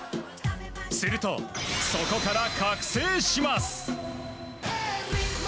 すると、そこから覚醒します。